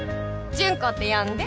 「純子」って呼んで。